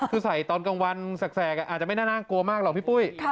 คือใส่ตอนกลางวันแสกอาจจะไม่น่ากลัวมากหรอกพี่ปุ้ย